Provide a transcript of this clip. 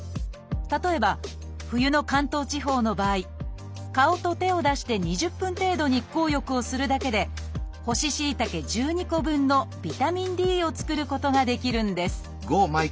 例えば冬の関東地方の場合顔と手を出して２０分程度日光浴をするだけで干ししいたけ１２個分のビタミンＤを作ることができるんです